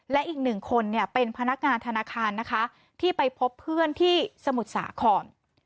และอีกหนึ่งคนเนี่ยเป็นพนักงานธนาคารนะคะที่ไปพบเพื่อนที่สมุทรสาคร